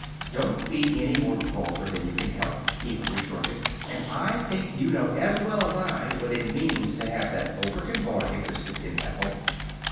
"Don't be any more vulgar than you can help," Eva retorted. "And I think you know, as well as I, what it means to have that Overton boy interested in Ethel."